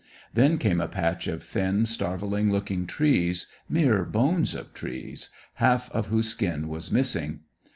Then came a patch of thin, starveling looking trees, mere bones of trees, half of whose skin was missing.